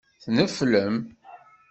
Tneflem.